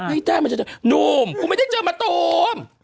ไอ้แท่งดูมผมไม่ได้เจอมะตูม